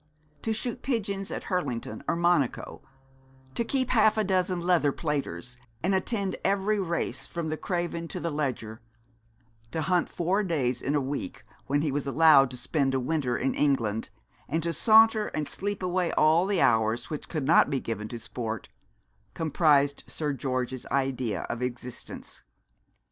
To shoot pigeons at Hurlington or Monaco, to keep half a dozen leather platers, and attend every race from the Craven to the Leger, to hunt four days a week, when he was allowed to spend a winter in England, and to saunter and sleep away all the hours which could not be given to sport, comprised Sir George's idea of existence.